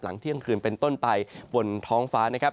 เที่ยงคืนเป็นต้นไปบนท้องฟ้านะครับ